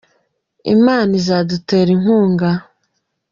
Imana izadutera inkunga